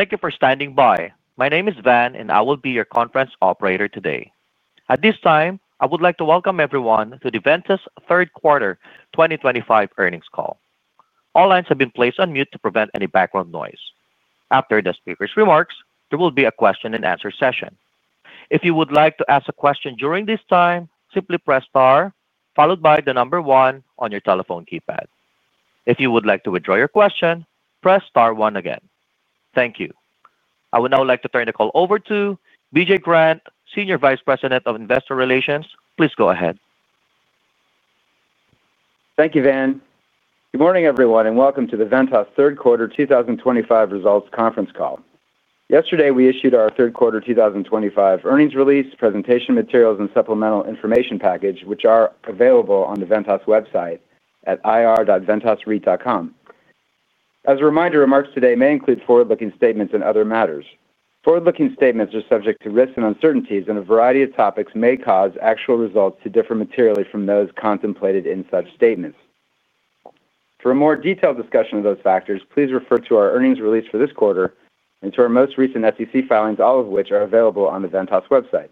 Thank you for standing by. My name is Van and I will be your conference operator today. At this time I would like to welcome everyone to the Ventas third quarter 2025 earnings call. All lines have been placed on mute to prevent any background noise. After the speaker's remarks, there will be a question-and-answer session. If you would like to ask a question during this time, simply press star followed by the number one on your telephone keypad. If you would like to withdraw your question, press star one again. Thank you. I would now like to turn the call over to BJ Grant, Senior Vice President of Investor Relations. Please go ahead. Thank you. Good morning everyone and welcome to. The Ventas third quarter 2025 results conference call. Yesterday we issued our third quarter 2025 earnings release, presentation materials, and supplemental information package, which are available on the Ventas website at ir.ventasreit.com. As a reminder, remarks today may include forward-looking statements and other matters. Forward-looking statements are subject to risks and uncertainties, and a variety of topics may cause actual results to differ materially from those contemplated in such statements. For a more detailed discussion of those factors, please refer to our earnings release for this quarter and to our most recent SEC filings, all of which are available on the Ventas website.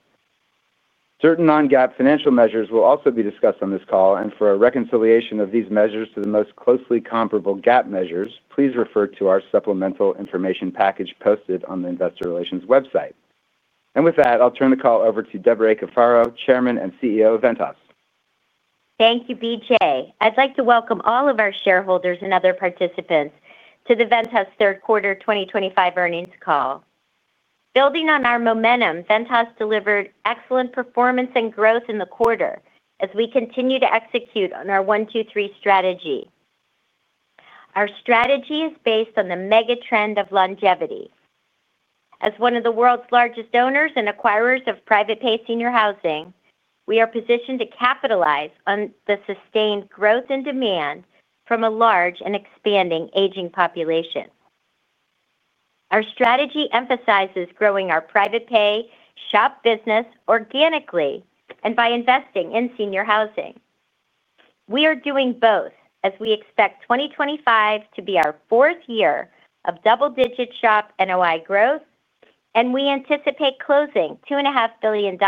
Certain Non-GAAP financial measures will also be discussed on this call, and for a reconciliation of these measures to the most closely comparable GAAP measures, please refer to our supplemental information package posted on the Investor Relations website. With that, I'll turn the call. Over to Debra A. Cafaro, Chairman and CEO of Ventas. Thank you, BJ. I'd like to welcome all of our shareholders and other participants to the Ventas third quarter 2025 earnings call. Building on our momentum, Ventas delivered excellent performance and growth in the quarter as we continue to execute on our 1-2-3 strategy. Our strategy is based on the megatrend of longevity. As one of the world's largest owners and acquirers of private pay senior housing, we are positioned to capitalize on the sustained growth and demand from a large and expanded aging population. Our strategy emphasizes growing our private pay SHOP business organically and by investing in senior housing. We are doing both as we expect 2025 to be our fourth year of double-digit SHOP NOI growth, and we anticipate closing $2.5 billion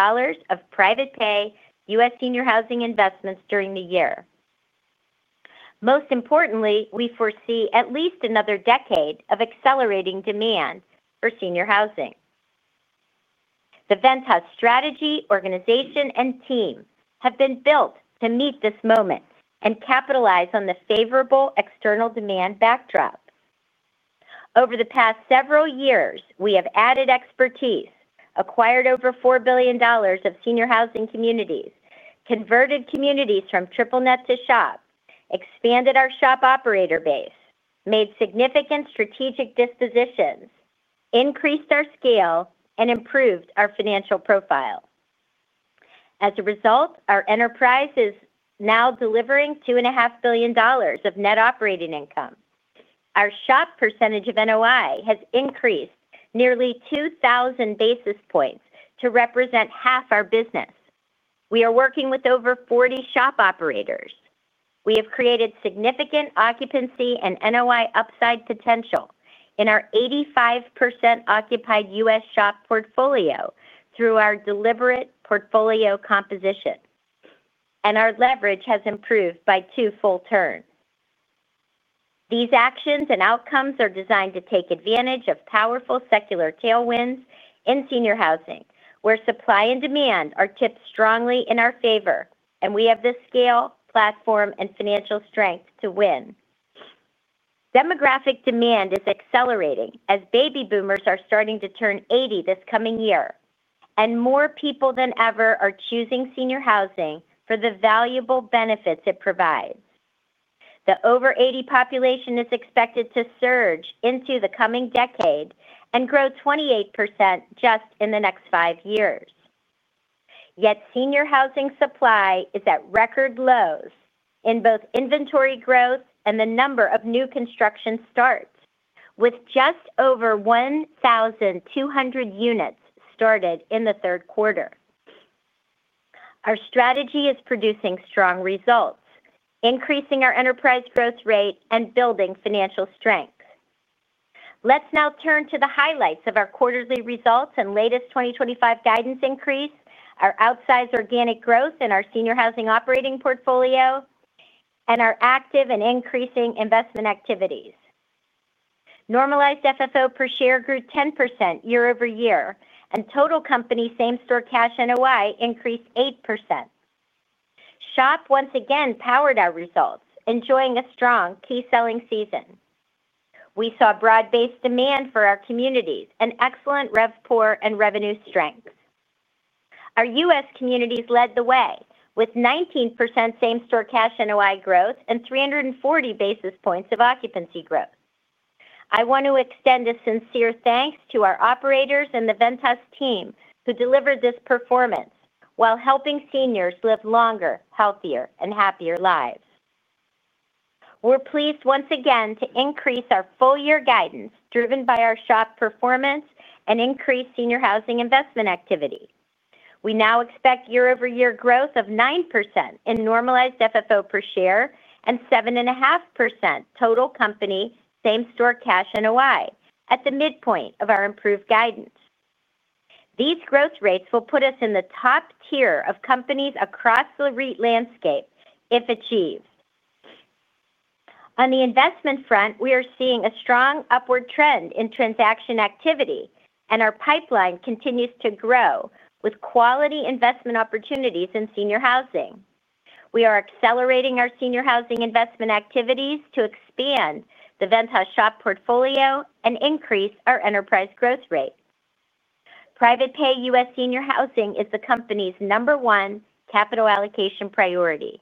of private pay U.S. senior housing investments during the year. Most importantly, we foresee at least another decade of accelerating demand for senior housing. The Ventas strategy, organization, and team have been built to meet this moment and capitalize on the favorable external demand backdrop. Over the past several years, we have added expertise, acquired over $4 billion of senior housing communities, converted communities from triple net to SHOP, expanded our SHOP operator base, made significant strategic dispositions, increased our scale, and improved our financial profile. As a result, our enterprise is now delivering $2.5 billion of net operating income. Our SHOP percentage of NOI has increased nearly 2,000 basis points to represent half our business. We are working with over 40 SHOP operators. We have created significant occupancy and NOI upside potential in our 85% occupied U.S. SHOP portfolio through our deliberate portfolio composition, and our leverage has improved by two full turns. These actions and outcomes are designed to take advantage of powerful secular tailwinds in senior housing, where supply and demand are tipped strongly in our favor, and we have the scale, platform, and financial strength to win. Demographic demand is accelerating as baby boomers are starting to turn 80 this coming year, and more people than ever are choosing senior housing for the valuable benefits it provides. The over-80 population is expected to surge into the coming decade and grow 28% just in the next five years. Yet senior housing supply is at record lows in both inventory growth and the number of new construction starts, with just over 1,200 units started in the third quarter. Our strategy is producing strong results, increasing our enterprise growth rate and building financial strength. Let's now turn to the highlights of our quarterly results and latest 2025 guidance. Increase our outsized organic growth in our senior housing operating portfolio and our active and increasing investment activities. Normalized FFO per share grew 10% year-over-year and total company same store cash NOI increased 8%. SHOP once again powered our results, enjoying a strong key selling season. We saw broad-based demand for our communities and excellent RevPOR and revenue strength. Our U.S. communities led the way with 19% same store cash NOI growth and 340 basis points of occupancy growth. I want to extend a sincere thanks to our operators and the Ventas team who delivered this performance while helping seniors live longer, healthier, and happier lives. We're pleased once again to increase our full year guidance driven by our SHOP performance and increased senior housing investment activity. We now expect year-over-year growth of 9% in normalized FFO per share and 7.5% total company same store cash NOI at the midpoint of our improved guidance. These growth rates will put us in the top tier of companies across the REIT landscape if achieved. On the investment front, we are seeing a strong upward trend in transaction activity and our pipeline continues to grow with quality investment opportunities in senior housing. We are accelerating our senior housing investment activities to expand the Ventas SHOP portfolio and increase our enterprise growth rate. Private pay U.S. senior housing is the company's number one capital allocation priority.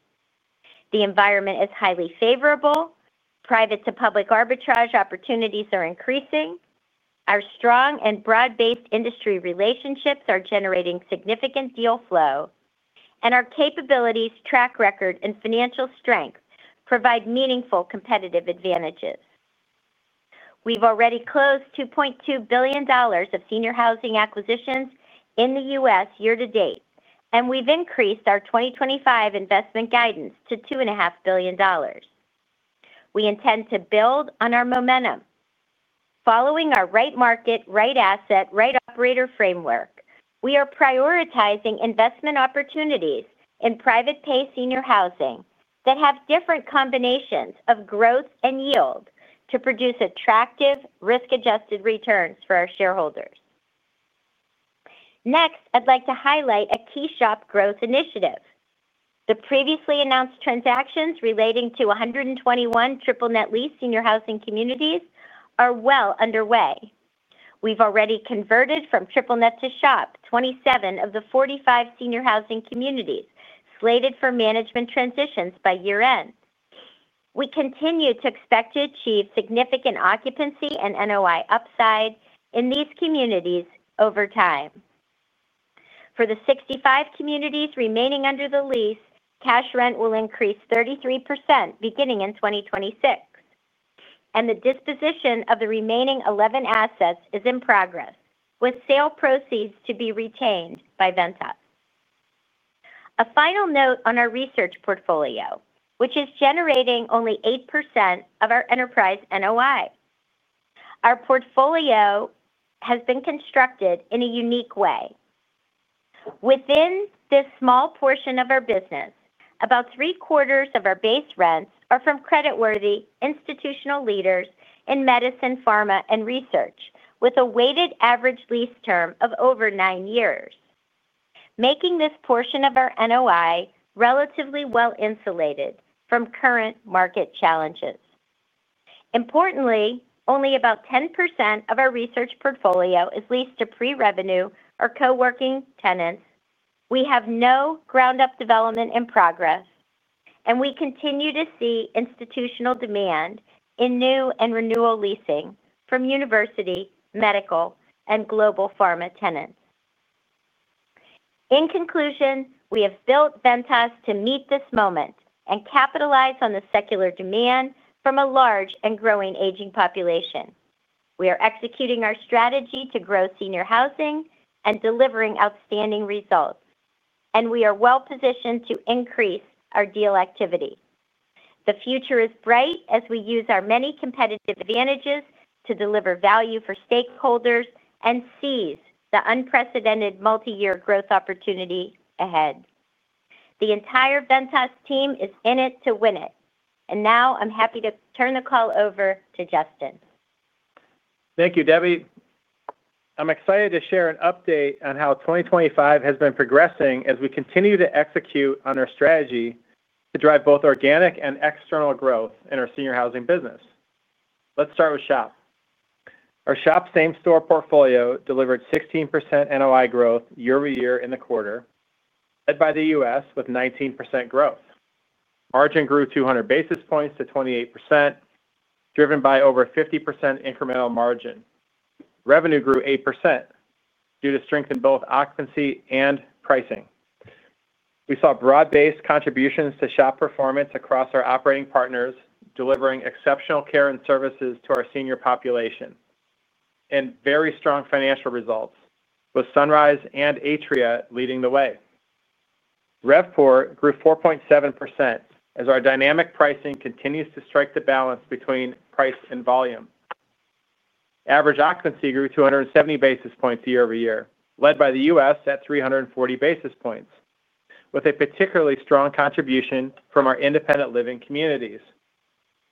The environment is highly favorable. Private to public arbitrage opportunities are increasing. Our strong and broad-based industry relationships are generating significant deal flow and our capabilities, track record, and financial strength provide meaningful competitive advantages. We've already closed $2.2 billion of senior housing acquisitions in the U.S. year to date and we've increased our 2025 investment guidance to $2.5 billion. We intend to build on our momentum following our right market, right asset, right operator framework. We are prioritizing investment opportunities in private pay senior housing that have different combinations of growth and yield to produce attractive risk-adjusted returns for our shareholders. Next, I'd like to highlight a key SHOP growth initiative. The previously announced transactions relating to 121 triple net leased senior housing communities are well underway. We've already converted from triple net to SHOP 27 of the 45 senior housing communities slated for management transitions by year end. We continue to expect to achieve significant occupancy and NOI upside in these communities over time. For the 65 communities remaining under the lease, cash rent will increase 33% beginning in 2026 and the disposition of the remaining 11 assets is in progress with sale proceeds to be retained. A final note on our research portfolio, which is generating only 8% of our enterprise NOI. Our portfolio has been constructed in a unique way within this small portion of our business. About three quarters of our base rents are from creditworthy institutional leaders in medicine, pharma, and research, with a weighted average lease term of over nine years, making this portion of our NOI relatively well insulated from current market challenges. Importantly, only about 10% of our research portfolio is leased to pre-revenue or co-working tenants. We have no ground up development in progress and we continue to see institutional demand in new and renewal leasing from university, medical, and global pharma tenants. In conclusion, we have built Ventas to meet this moment and capitalize on the secular demand from a large and growing aging population. We are executing our strategy to grow senior housing and delivering outstanding results, and we are well positioned to increase our deal activity. The future is bright as we use our many competitive advantages to deliver value for stakeholders and seize the unprecedented multi-year growth opportunity ahead. The entire Ventas team is in it to win it and now I'm happy to turn the call over to Justin. Thank you, Debbie. I'm excited to share an update on how 2025 has been progressing as we continue to execute on our strategy and to drive both organic and external growth in our senior housing business. Let's start with SHOP. Our SHOP same store portfolio delivered 16% NOI growth year-over-year in the quarter, led by the U.S. with 19% growth. Margin grew 200 basis points to 28%, driven by over 50% incremental margin. Revenue grew 8% due to strength in both occupancy and pricing. We saw broad-based contributions to SHOP performance across our operating partners, delivering exceptional care and services to our senior population and very strong financial results, with Sunrise and Atria leading the way. RevPOR grew 4.7% as our dynamic pricing continues to strike the balance between price and volume. Average occupancy grew 270 basis points year-over-year, led by the U.S. at 340 basis points, with a particularly strong contribution from our independent living communities.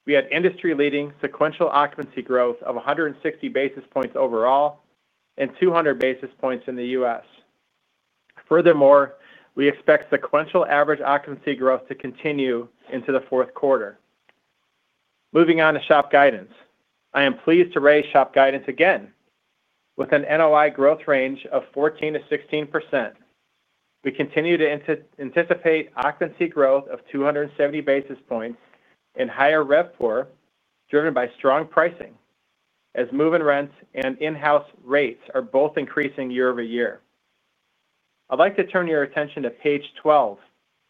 We had industry-leading sequential occupancy growth of 160 basis points overall and 200 basis points in the U.S. Furthermore, we expect sequential average occupancy growth to continue into the fourth quarter. Moving on to SHOP guidance, I am pleased to raise SHOP guidance again with an NOI growth range of 14%-16%. We continue to anticipate occupancy growth of 270 basis points and higher RevPOR, driven by strong pricing as move-in rents and in-house rates are both increasing year-over-year. I'd like to turn your attention to page 12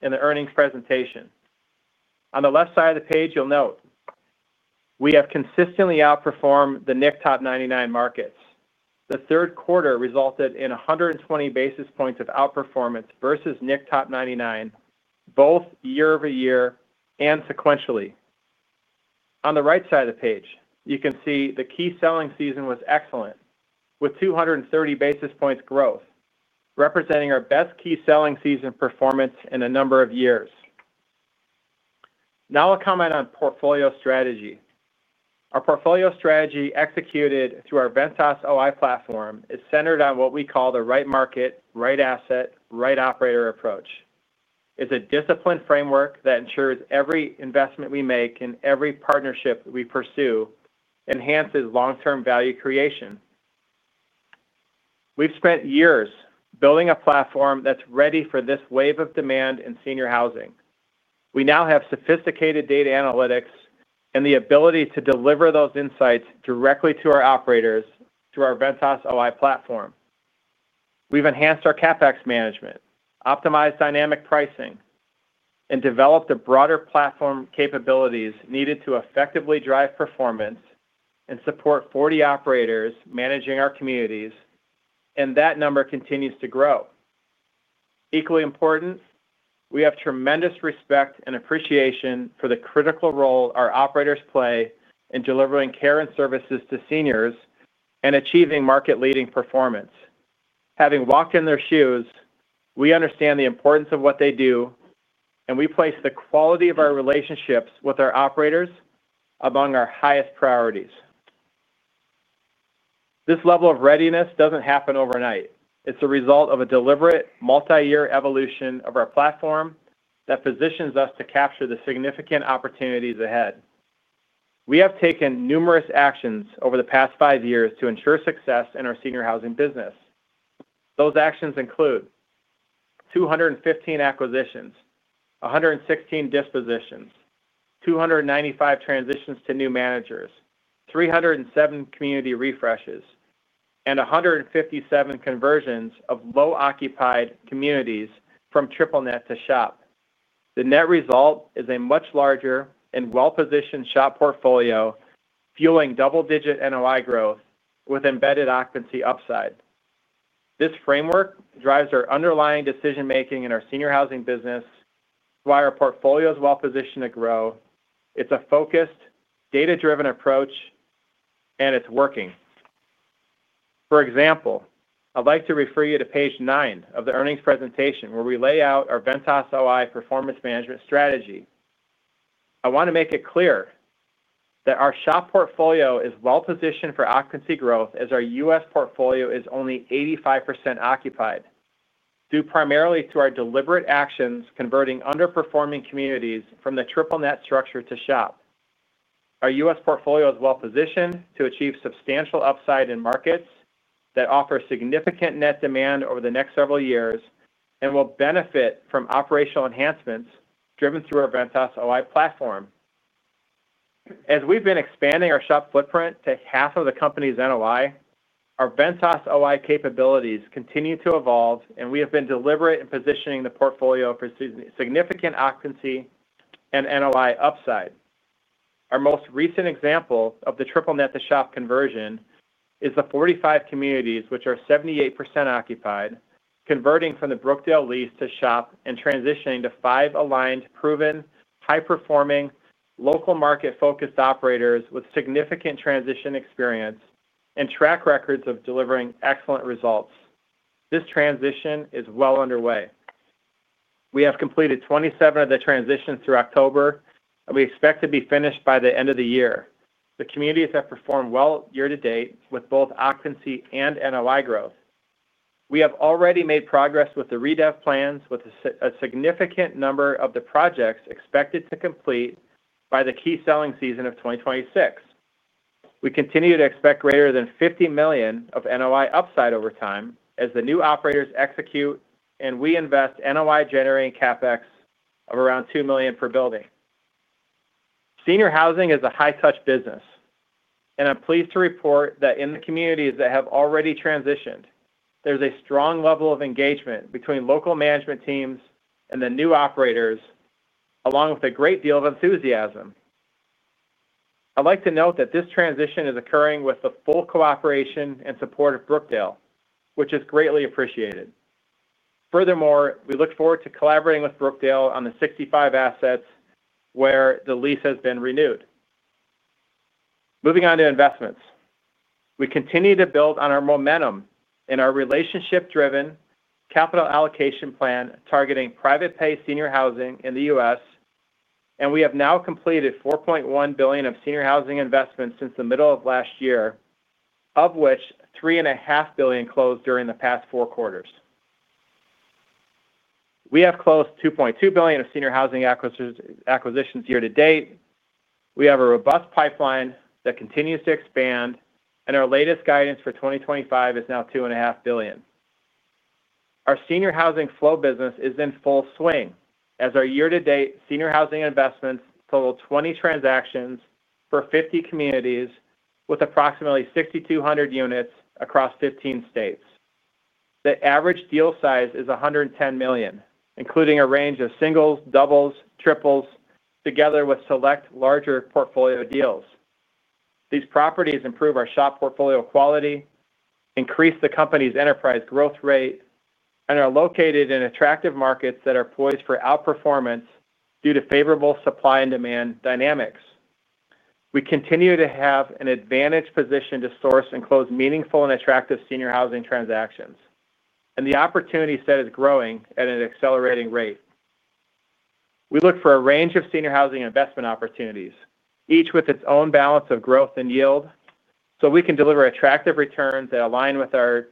in the earnings presentation. On the left side of the page, you'll note we have consistently outperformed the NIC top 99 markets. The third quarter resulted in 120 basis points of outperformance versus NIC top 99 both year-over-year and sequentially. On the right side of the page, you can see the key selling season was excellent with 230 basis points growth, representing our best key selling season performance in a number of years. Now I'll comment on portfolio strategy. Our portfolio strategy, executed through our Ventas OI platform, is centered on what we call the right market, right asset, right operator approach. It's a disciplined framework that ensures every investment we make and every partnership we pursue enhances long-term value creation. We've spent years building a platform that's ready for this wave of demand in senior housing. We now have sophisticated data analytics and the ability to deliver those insights directly to our operators. Through our Ventas OI platform, we've enhanced our CapEx management, optimized dynamic pricing, and developed broader platform capabilities needed to effectively drive performance and support 40 operators managing our communities, and that number continues to grow. Equally important, we have tremendous respect and appreciation for the critical role our operators play in delivering care and services to seniors and achieving market-leading performance. Having walked in their shoes, we understand the importance of what they do, and we place the quality of our relationships with our operators among our highest priorities. This level of readiness doesn't happen overnight. It's a result of a deliberate multi-year evolution of our platform that positions us to capture the significant opportunities ahead. We have taken numerous actions over the past five years to ensure success in our senior housing business. Those actions include 215 acquisitions, 116 dispositions, 295 transitions to new managers, 307 community refreshes, and 157 conversions of low-occupied communities from triple net to SHOP. The net result is a much larger and well-positioned SHOP portfolio fueling double-digit NOI growth with embedded occupancy upside. This framework drives our underlying decision-making in our senior housing business. Why our portfolio is well positioned to grow: it's a focused, data-driven approach, and it's working. For example, I'd like to refer you to page 9 of the earnings presentation where we lay out our Ventas OI performance management strategy. I want to make it clear that our SHOP portfolio is well positioned for occupancy growth as our U.S. portfolio is only 85% occupied due primarily to our deliberate actions converting underperforming communities from the triple net structure to SHOP. Our U.S. portfolio is well positioned to achieve substantial upside in markets that offer significant net demand over the next several years and will benefit from operational enhancements driven through our Ventas OI platform. As we've been expanding our SHOP footprint to half of the company's NOI, our Ventas OI capabilities continue to evolve, and we have been deliberate in positioning the portfolio for significant occupancy and NOI upside. Our most recent example of the triple net to SHOP conversion is the 45 communities, which are 78% occupied, converting from the Brookdale lease to SHOP and transitioning to five aligned, proven, high-performing, local market-focused operators with significant transition experience and track records of delivering excellent results. This transition is well underway. We have completed 27 of the transitions through October, and we expect to be finished by the end of the year. The communities have performed well year to date, with both occupancy and NOI growth. We have already made progress with the REDEF plans, with a significant number of the projects expected to complete by the key selling season of 2026. We continue to expect greater than $50 million of NOI upside over time as the new operators execute, and we invest NOI-generating CapEx of around $2 million per building. Senior housing is a high-touch business, and I'm pleased to report that in the communities that have already transitioned, there's a strong level of engagement between local management teams and the new operators, along with a great deal of enthusiasm. I'd like to note that this transition is occurring with the full cooperation and support of Brookdale, which is greatly appreciated. Furthermore, we look forward to collaborating with Brookdale on the 65 assets where the lease has been renewed. Moving on to investments, we continue to build on our momentum in our relationship-driven capital allocation plan targeting private pay senior housing in the U.S., and we have now completed $4.1 billion of senior housing investments since the middle of last year, of which $3.5 billion closed during the past four quarters. We have closed $2.2 billion of senior housing acquisitions year to date. We have a robust pipeline that continues to expand, and our latest guidance for 2025 is now $2.5 billion. Our senior housing flow business is in full swing as our year to date senior housing investments total 20 transactions for 50 communities with approximately 6,200 units across 15 states. The average deal size is $110 million, including a range of singles, doubles, true triples, together with select larger portfolio deals. These properties improve our SHOP portfolio quality, increase the company's enterprise growth rate, and are located in attractive markets that are poised for outperformance due to favorable supply and demand dynamics. We continue to have an advantaged position to source and close meaningful and attractive senior housing transactions, and the opportunity set is growing at an accelerating rate. We look for a range of senior housing investment opportunities, each with its own balance of growth and yield, so we can deliver attractive returns that align with our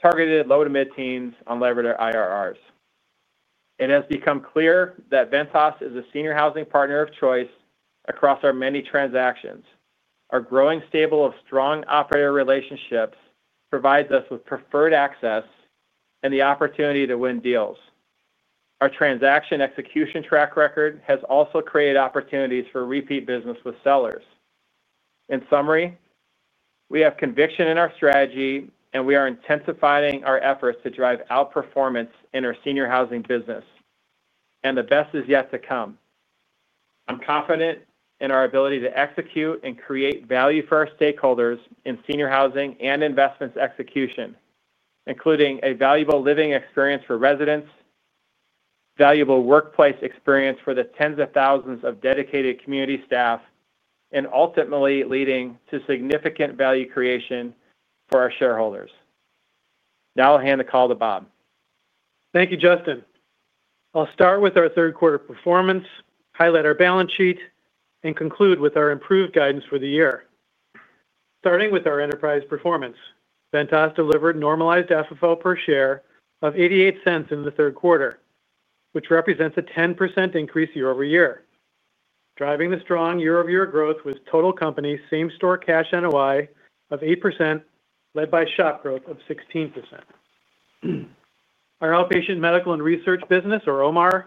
targeted low to mid teens unlevered IRRs. It has become clear that Ventas is a senior housing partner of choice across our many transactions. Our growing stable of strong operator relationships provides us with preferred access and the opportunity to win deals. Our transaction execution track record has also created opportunities for repeat business with sellers. In summary, we have conviction in our strategy, and we are intensifying our efforts to drive outperformance in our senior housing business, and the best is yet to come. I'm confident in our ability to execute and create value for our stakeholders in senior housing and investments execution, including a valuable living experience for residents, valuable workplace experience for the tens of thousands of dedicated community staff, and ultimately leading to significant value creation for our shareholders. Now I'll hand the call to Bob. Thank you, Justin. I'll start with our third quarter performance, highlight our balance sheet, and conclude with our improved guidance for the year. Starting with our enterprise performance, Ventas delivered normalized FFO per share of $0.88 in the third quarter, which represents a 10% increase year-over-year. Driving the strong year-over-year growth was total company same store cash NOI of 8%, led by SHOP growth of 16%. Our Outpatient Medical and Research business, or OMAR,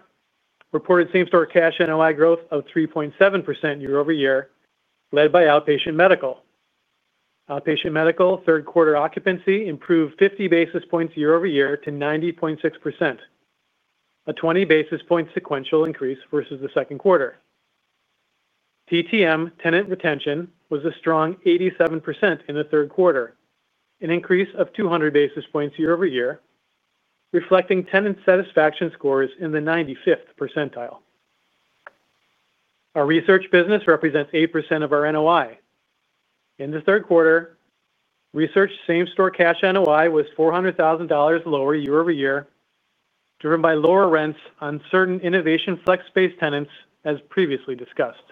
reported same store cash NOI growth of 3.7% year-over-year, led by Outpatient Medical. Outpatient Medical third quarter occupancy improved 50 basis points year-over-year to 90.6%, a 20 basis point sequential increase versus the second quarter. TTM tenant retention was a strong 87% in the third quarter, an increase of 200 basis points year-over-year, reflecting tenant satisfaction scores in the 95th percentile. Our research business represents 8% of our NOI. In the third quarter, research same store cash NOI was $400,000 lower year-over-year, driven by lower rents on certain Innovation Flex Space tenants as previously discussed.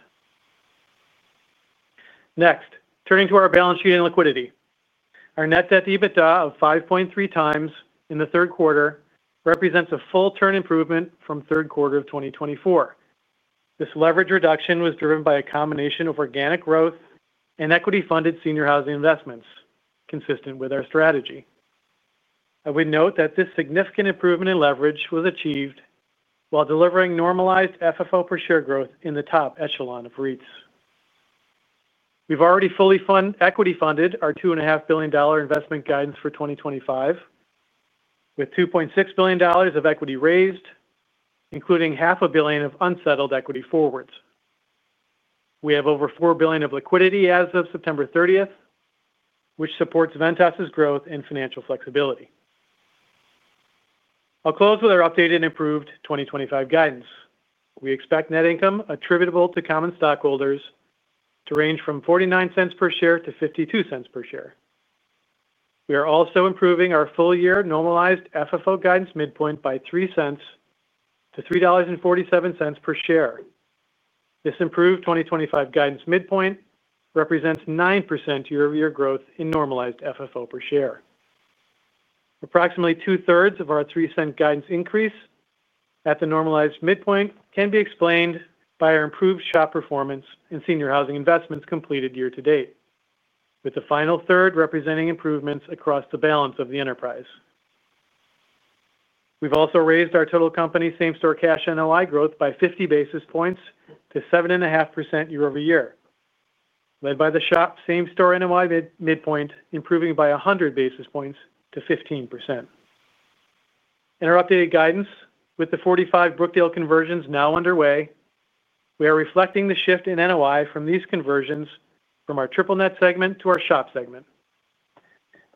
Next, turning to our balance sheet and liquidity, our net debt to EBITDA of 5.3 times in the third quarter represents a full turn improvement from the third quarter of 2024. This leverage reduction was driven by a combination of organic growth and equity-funded senior housing investments consistent with our strategy. I would note that this significant improvement in leverage was achieved while delivering normalized FFO per share growth in the top echelon of REITs. We've already fully equity-funded our $2.5 billion investment guidance for 2025 with $2.6 billion of equity raised, including half a billion of unsettled equity forwards. We have over $4 billion of liquidity as of September 30th, which supports Ventas growth and financial flexibility. I'll close with our updated and improved 2025 guidance. We expect net income attributable to common stockholders to range from $0.49 per share to $0.52 per share. We are also improving our full year normalized FFO guidance midpoint by $0.03 to $3.47 per share. This improved 2025 guidance midpoint represents 9% year-over-year growth in normalized FFO per share. Approximately two-thirds of our $0.03 guidance increase at the normalized midpoint can be explained by our improved SHOP performance and senior housing investments completed year to date, with the final third representing improvements across the balance of the enterprise. We've also raised our total company same store cash NOI growth by 50 basis points to 7.5% year-over-year, led by the SHOP same store NOI midpoint improving by 100 basis points to 15%. In our updated guidance, with the 45 Brookdale conversions now underway, we are reflecting the shift in NOI from these conversions from our triple net segment to our SHOP segment.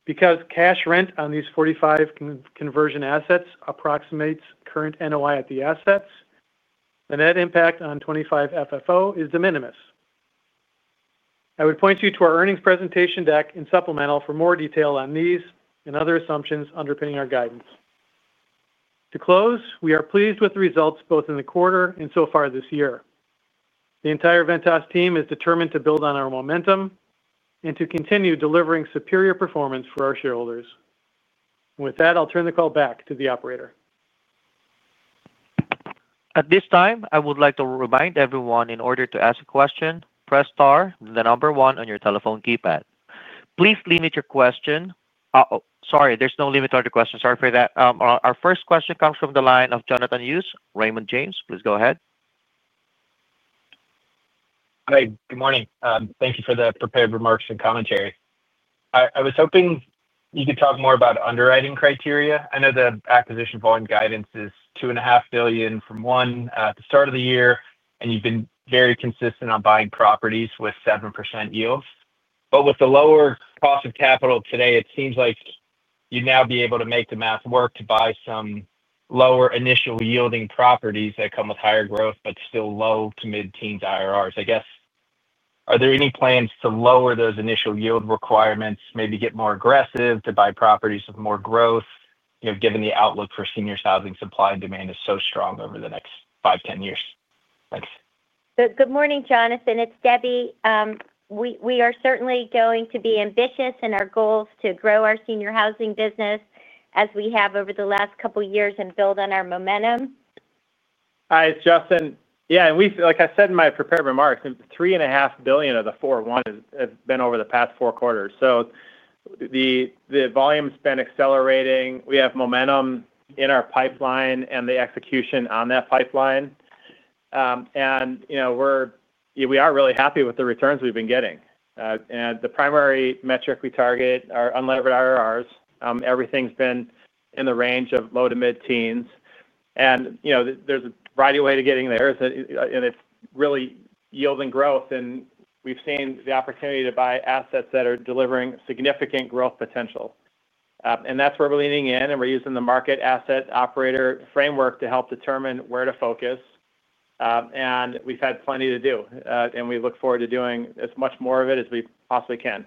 Because cash rent on these 45 conversion assets approximates current NOI at the assets, the net impact on 2025 FFO is de minimis. I would point you to our earnings presentation deck and Supplemental for more detail on these and other assumptions underpinning our guidance to close. We are pleased with the results both in the quarter and so far this year. The entire Ventas team is determined to build on our momentum and to continue delivering superior performance for our shareholders. With that, I'll turn the call back to the operator. At this time I would like to remind everyone, in order to ask a question, press star the number one on your telephone keypad. Please limit your question. Oh, sorry, there's no limit to other questions. Sorry for that. Our first question comes from the line of Jonathan Hughes, Raymond James. Please go ahead. Hi, good morning. Thank you for the prepared remarks and commentary. I was hoping you could talk more about underwriting criteria. I know the acquisition volume guidance is $2.5 billion from $1 billion at the start of the year, and you've been very consistent on buying properties with 7% yield. With the lower cost of capital today, it seems like you'd now be able to make the math work to buy some lower initial yielding properties that come with higher growth but still low to mid teens IRRs, I guess. Are there any plans to lower those initial yield requirements? Maybe get more aggressive to buy properties with more growth? You know, given the outlook for senior housing supply and demand is so strong. Over the next five to ten years. Good morning, Jonathan, it's Debra. We are certainly going to be ambitious in our goals to grow our senior housing business as we have over the last couple of years and build on our momentum. Hi, it's Justin. Yeah, like I said in my prepared remarks, $3.5 billion of the $4.1 billion have been over the past four quarters. The volume's been accelerating. We have momentum in our pipeline and the execution on that pipeline, and we're really happy with the returns we've been getting. The primary metric we target are unlevered IRRs. Everything's been in the range of low to mid teens, and there's a variety of ways to getting there, and it's really yielding growth. We've seen the opportunity to buy assets that are delivering significant growth potential, and that's where we're leaning in. We're using the market asset operator framework to help determine where to focus. We've had plenty to do, and we look forward to doing as much more of it as we possibly can.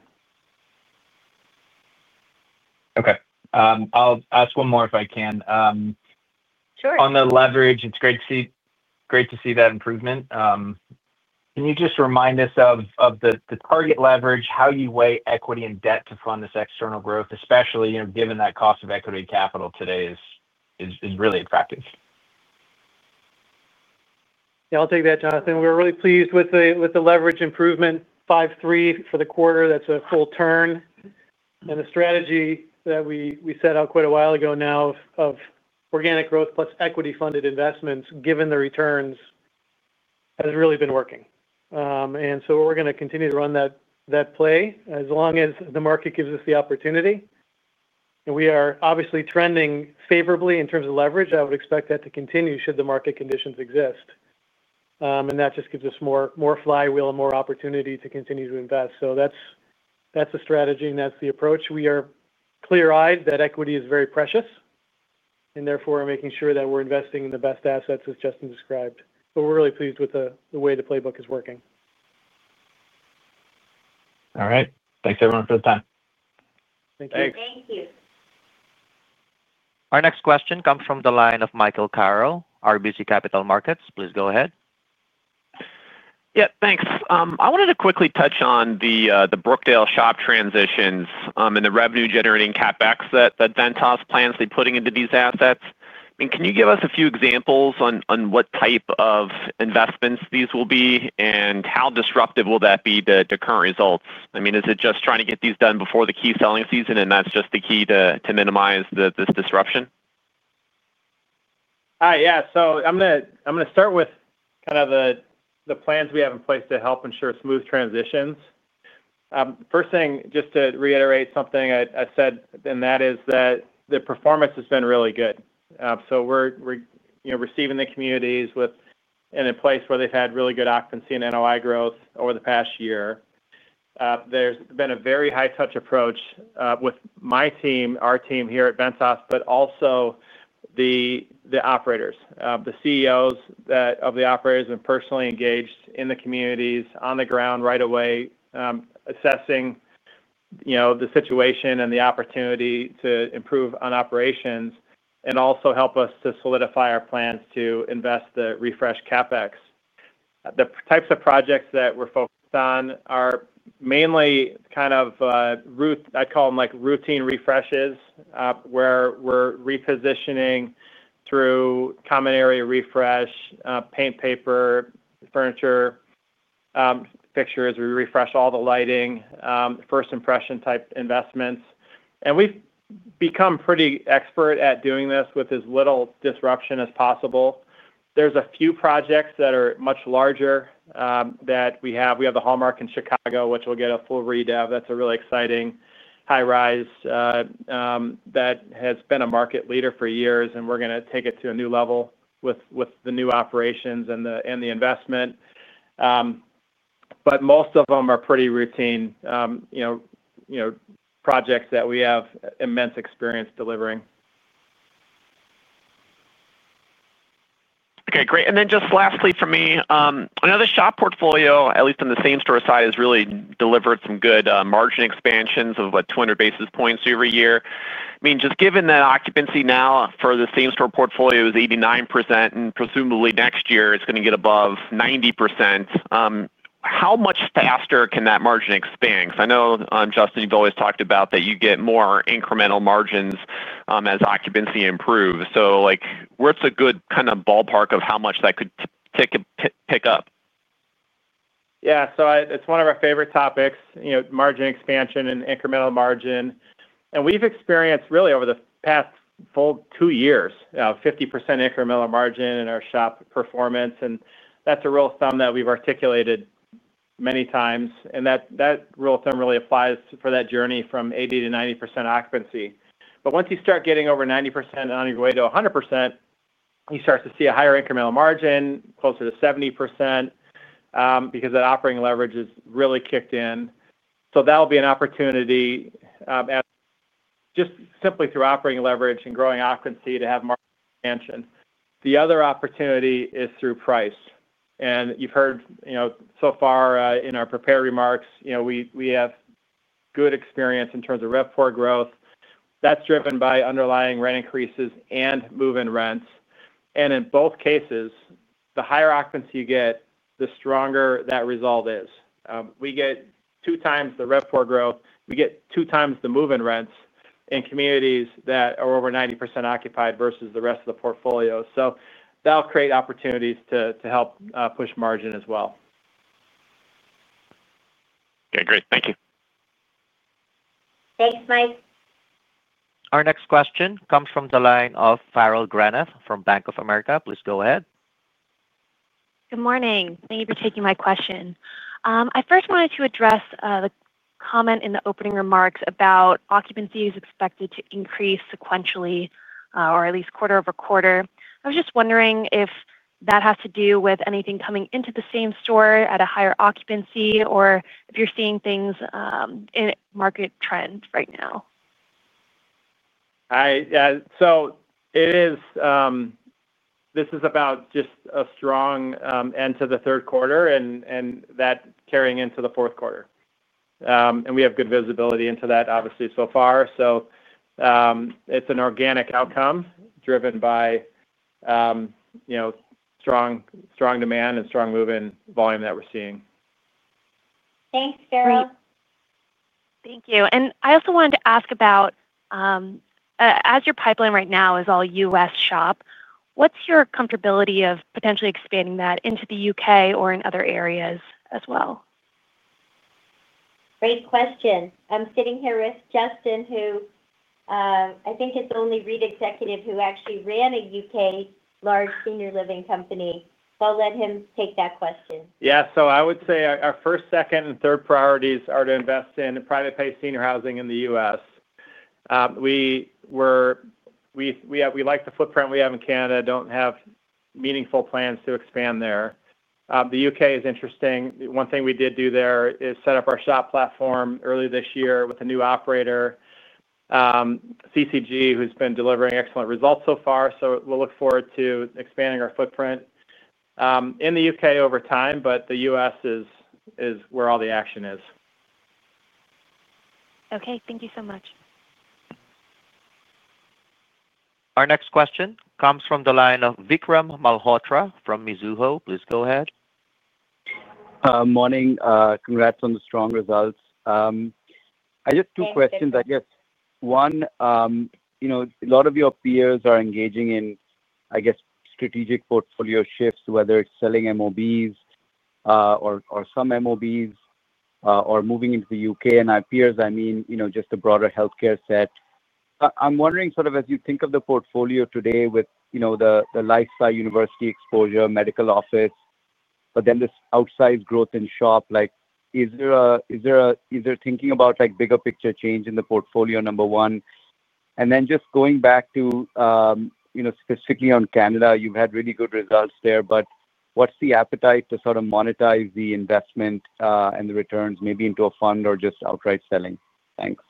Okay, I'll ask one more if I can on the leverage. It's great to see that improvement. Can you just remind us of the. Target leverage, how you weigh equity and. Debt to fund this external growth, especially given that cost of equity capital today is really attractive. Yeah, I'll take that, Jonathan. We're really pleased with the leverage improvement. 5.3 for the quarter. That's a full turn. The strategy that we set out quite a while ago now of organic growth plus equity funded investments given the returns has really been working. We're going to continue to run that play as long as the market gives us the opportunity, and we are obviously trending favorably in terms of leverage. I would expect that to continue should the market conditions exist. That just gives us more flywheel and more opportunity to continue to invest. That's the strategy and that's the approach. We are clear eyed that equity is very precious and therefore making sure that we're investing in the best assets as Justin described. We're really pleased with the way the playbook is working. All right, thanks everyone for the time. Thank you. Our next question comes from the line of Michael Carroll, RBC Capital Markets. Please go ahead. Yeah, thanks. I wanted to quickly touch on the Brookdale SHOP transitions and the revenue-generating CapEx that Ventas plans to be putting into these assets. Can you give us a few examples? On what type of investments these will be and how disruptive will that be to current results? Just trying to get these done before the key selling season and that's just the key to minimize this disruption. Yeah. I'm going to start with kind of the plans we have in place to help ensure smooth transitions. First thing, just to reiterate something I said and that is that the performance has been really good. We're receiving the communities in a place where they've had really good occupancy and NOI growth over the past year. There's been a very high touch approach with my team, our team here at Ventas, but also the operators, the CEOs of the operators and personally engaged in the communities on the ground right away assessing the situation and the opportunity to improve on operations and also help us to solidify our plans to invest the refresh CapEx. The types of projects that we're focused on are mainly kind of, I call them like routine refreshes where we're repositioning through common area refresh, paint, paper, furniture, fixtures. We refresh all the lighting, first impression type investments, and we've become pretty expert at doing this with as little disruption as possible. There's a few projects that are much larger that we have. We have The Hallmark in Chicago, which will get a full readout. That's a really exciting high rise that has been a market leader for years, and we're going to take it to a new level with the new operations and the investment. Most of them are pretty routine projects that we have immense experience delivering. Okay, great. Then just lastly for me, another SHOP portfolio, at least on the same store side, has really delivered some good margin expansions of what, 200 basis points every year? I mean, just given that occupancy now for the same store portfolio is 89%. Presumably next year it's going to get above 90%. How much faster can that margin expand? Because I know, Justin, you've always talked about that you get more incremental margins as occupancy improves. What's a good kind of ballpark of? How much that could pick up? Yeah, it's one of our favorite topics, you know, margin expansion and incremental margin. We've experienced really over the past full two years, 50% incremental margin in our SHOP performance. That's a rule of thumb that we've articulated many times. That rule of thumb really applies for that journey from 80% to 90% occupancy. Once you start getting over 90% on your way to 100%, you start to see a higher incremental margin, closer to 70% because that operating leverage has really kicked in. That will be an opportunity. Just. Simply through operating leverage and growing occupancy to have market expansion. The other opportunity is through price. You have heard so far in our prepared remarks, you know, we have good experience in terms of RevPAR growth that's driven by underlying rent increases and move-in rents. In both cases, the higher occupancy you get, the stronger that result is. We get two times the RevPAR growth. We get two times the move-in rents in communities that are over 90% occupied versus the rest of the portfolio. That will create opportunities to help push margin as well. Okay, great. Thank you. Thanks, Mike. Our next question comes from the line of Farrell Granath from Bank of America. Please go ahead. Good morning. Thank you for taking my question. I first wanted to address the comment in the opening remarks about occupancy is expected to increase sequentially or at least quarter-over-quarter. I was just wondering if that has to do with anything coming into the same store at a higher occupancy or if you're seeing things in market trend right now. This is about just a strong end to the third quarter and that carrying into the fourth quarter, and we have good visibility into that obviously so far. It's an organic outcome driven by, you know, strong demand and strong move-in volume that we're seeing. Thanks, Darren. Thank you. I also wanted to ask about, as your pipeline right now is all U.S. SHOP, what's your comfortability of potentially expanding that into the U.K. or in other areas as well? Great question. I'm sitting here with Justin, who I think is the only REIT executive who actually ran a U.K. large senior living company. I'll let him take that question. Yeah, so I would say our first, second, and third priorities are to invest in private pay senior housing in the U.S. We like the footprint we have in Canada, don't have meaningful plans to expand there. The U.K. is interesting. One thing we did do there is set up our SHOP platform early this year with a new operator, CCG, who's been delivering excellent results so far. We'll look forward to expanding our footprint in the U.K. over time. The U.S. is where all the action is. Okay, thank you so much. Our next question comes from the line of Vikram Malhotra from Mizuho. Please go ahead. Morning. Congrats on the strong results. I just have two questions. I guess one, you know, a lot of your peers are engaging in, I guess, strategic portfolio shifts, whether it's selling MOBs or some MOBs or moving into the U.K., and by peers, I mean, you know, just the broader healthcare set. I'm wondering, sort of as you think of the portfolio today with, you know, the lifestyle, university exposure, medical office, but then this outsized growth in SHOP, like is there thinking about, like, bigger picture change in the portfolio, number one. Then just going back to, you know, specifically on Canada, you've had really good results there, but what's the appetite to sort of monetize the investment and the returns, maybe into a fund or just outright selling. Thanks.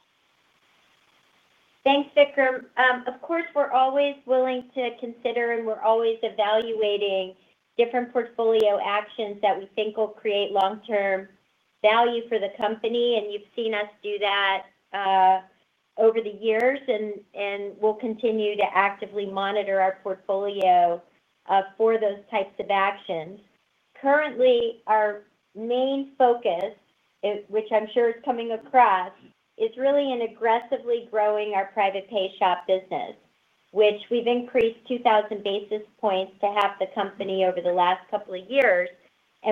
Thanks, Vikram. Of course, we're always willing to consider and we're always evaluating different portfolio actions that we think will create long-term value for the company. You've seen us do that over the years. We'll continue to actively monitor our portfolio for those types of actions. Currently, our main focus, which I'm sure is coming across, is really in aggressively growing our private pay SHOP business, which we've increased 2,000 basis points to half the company over the last couple of years.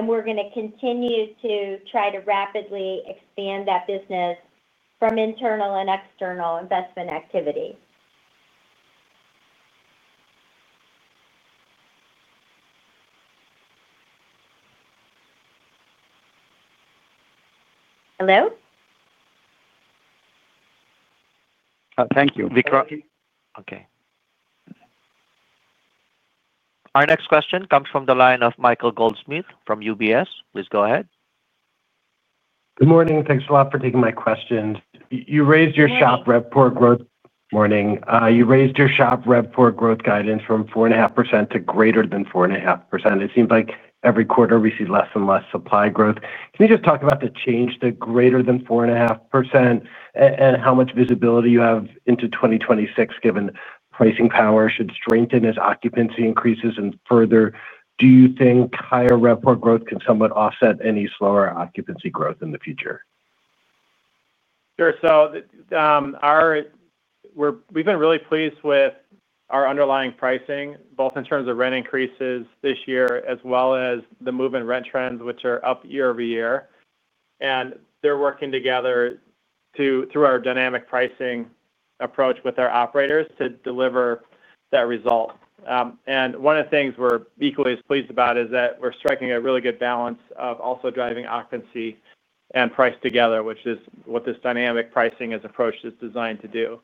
We're going to continue to try to rapidly expand that business from internal and external investment activity. Hello. Thank you, Vikram. Okay. Our next question comes from the line of Michael Goldsmith from UBS. Please go ahead. Good morning. Thanks a lot for taking my questions. You raised your SHOP RevPAR growth guidance from 4.5% to greater than 4.5%. It seems like every quarter we see less and less supply growth. Can you just talk about the change to greater than 4.5% and how much visibility you have into 2026 given pricing power should strengthen as occupancy increases? Further, do you think higher RevPAR growth can somewhat offset any slower occupancy growth in the future? Sure. We have been really pleased with our underlying pricing both in terms of rent increases this year as well as the move-in rent trends, which are up year-over-year. They are working together through our dynamic pricing approach with our operators to deliver that result. One of the things we are equally as pleased about is that we are striking a really good balance of also driving occupancy and price together, which is what this dynamic pricing approach is designed to do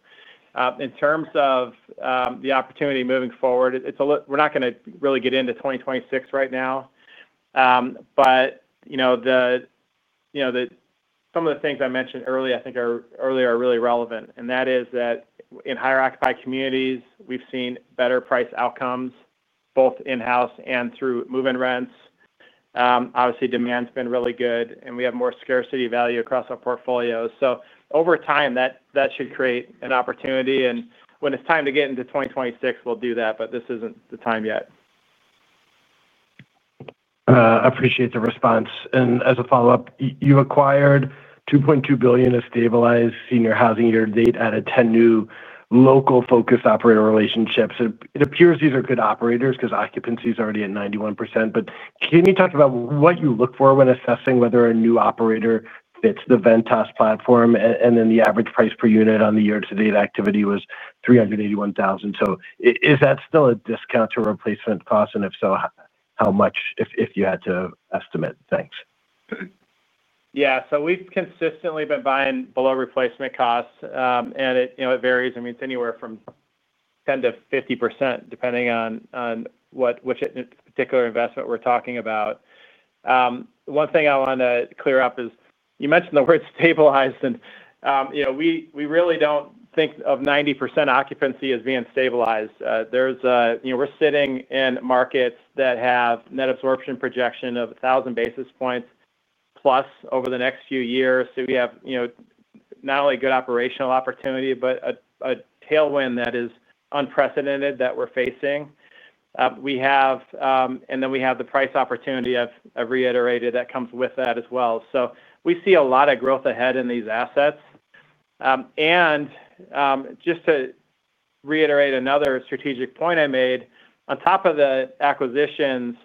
in terms of the opportunity moving forward. We are not going to really get into 2026 right now. Some of the things I mentioned earlier are really relevant, and that is that in higher occupied communities we have seen better price outcomes both in-house and through move-in rents. Obviously, demand has been really good, and we have more scarcity value across our portfolios. Over time, that should create an opportunity. When it is time to get into 2026, we will do that, but this is not the time yet. I appreciate the response. As a follow up, you acquired $2.2 billion of stabilized senior housing year to date, added 10 new local focused operator relationships. It appears these are good operators because occupancy is already at 91%. Can you talk about what you look for when assessing whether a new operator fits the Ventas platform, and then the average price per unit on the year to date activity was $381,000. Is that still a discount to replacement cost, and if so, how much, if you had to estimate things? Yeah, so we've consistently been buying below replacement costs. It varies. I mean it's anywhere from 10% to 50% depending on which particular investment we're talking about. One thing I want to clear up is you mentioned the word stabilized. We really don't think of 90% occupancy as being stabilized. We're sitting in markets that have net absorption projection of 1,000+ basis points over the next few years. We have not only good operational opportunity, but a tailwind that is unprecedented that we're facing. We have the price opportunity I've reiterated that comes with that as well. We see a lot of growth ahead in these assets. Just to reiterate another strategic point I made, on top of the acquisitions,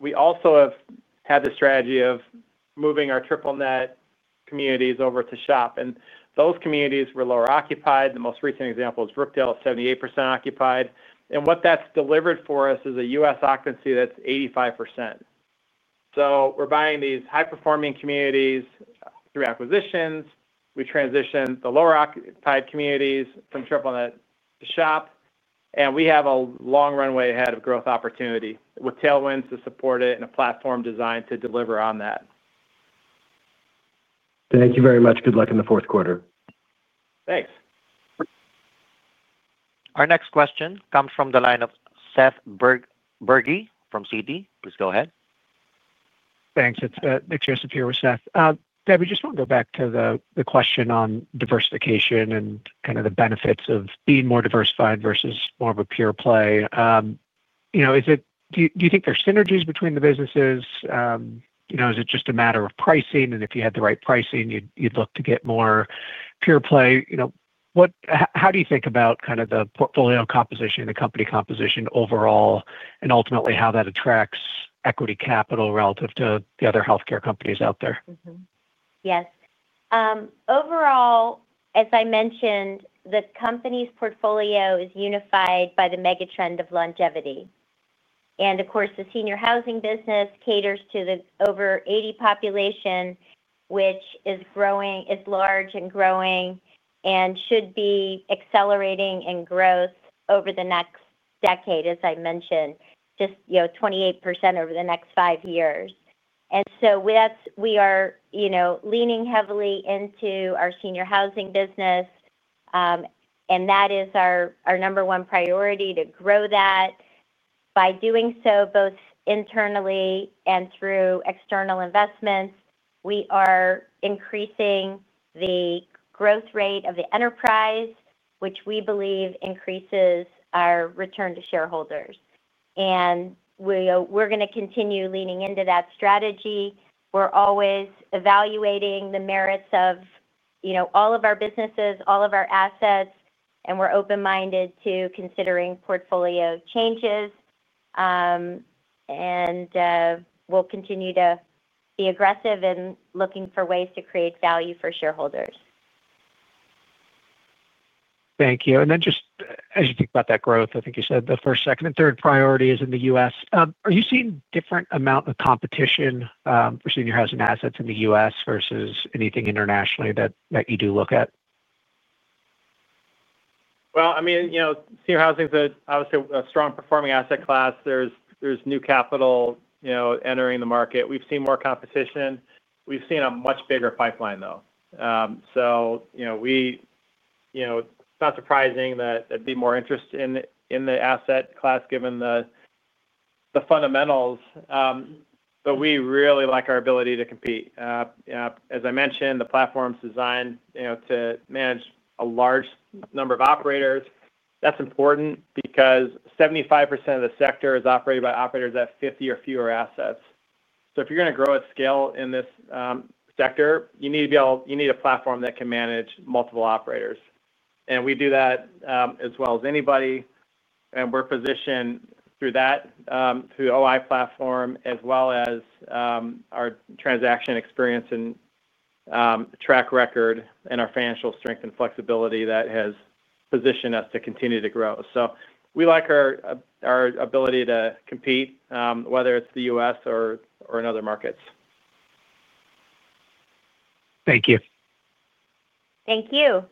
we also have had the strategy of moving our triple net communities over to SHOP. Those communities were lower occupied. The most recent example is Brookdale, 78% occupied. What that's delivered for us is a U.S. occupancy that's 85%. We're buying these high performing communities through acquisitions. We transitioned the lower occupied communities from triple net to SHOP. We have a long runway ahead of growth opportunity with tailwinds to support it and a platform designed to deliver on that. Thank you very much. Good luck in the fourth quarter. Thanks. Our next question comes from the line of Seth Bergey from Citi. Please go ahead. Thanks. It's Nick Joseph here with Seth. Deb, I just want to go back to the question on diversification and the benefits of being more diversified versus more of a pure play. Do you think there's synergies between the businesses? Is it just a matter of pricing and if you had the right pricing, you'd look to get more pure play? How do you think about the portfolio composition, the company composition overall, and ultimately how that attracts equity capital relative to the other healthcare companies out there? Yes, overall, as I mentioned, the company's portfolio is unified by the megatrend of longevity. Of course, the senior housing business caters to the over 80 population, which is large and growing and should be accelerating in growth over the next decade. As I mentioned, just 28% over the next five years. We are leaning heavily into our senior housing business, and that is our number one priority to grow that. By doing so, both internally and through external investments, we are increasing the growth rate of the enterprise, which we believe increases our return to shareholders. We are going to continue leaning into that strategy. We are always evaluating the merits of all of our businesses, all of our assets, and we are open minded to considering portfolio changes. We will continue to be aggressive in looking for ways to create value for shareholders. Thank you. As you think about that growth, I think you said the first, second, and third priority is in the U.S. Are you seeing different amount of competition for senior housing assets in the U.S. versus anything internationally that you do look at? Senior housing is obviously a strong performing asset class. There is new capital entering the market. We've seen more competition, we've seen a much bigger pipeline, though. It is not surprising that there'd be more interest in the asset class given the fundamentals, but we really like our ability to compete. As I mentioned, the platform's designed to manage a large number of operators. That's important because 75% of the sector is operated by operators at 50 or fewer assets. If you're going to grow at scale in this sector, you need a platform that can manage multiple operators. We do that as well as anybody. We're positioned through that, through the Ventas OI platform, as well as our transaction experience and track record and our financial strength and flexibility that has positioned us to continue to grow. We like our ability to compete whether it's the U.S. or in other markets. Thank you. Thank you.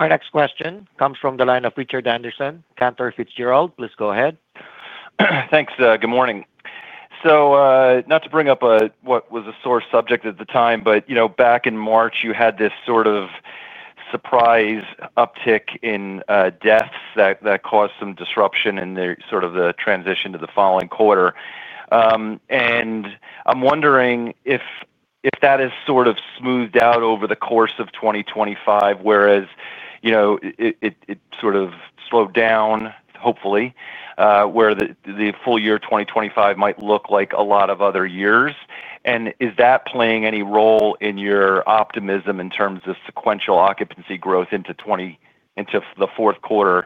Our next question comes from the line of Richard Anderson, Cantor Fitzgerald. Please go ahead. Thanks. Good morning. Not to bring up what was a sore subject at the time, but back in March you had this sort of surprise uptick in deaths that caused some disruption in the transition to the following quarter. I'm wondering if that has smoothed out over the course of 2025, whereas it slowed down hopefully where the full year 2025 might look like a lot of other years. Is that playing any role in your optimism in terms of sequential occupancy growth into 2025, into the fourth quarter,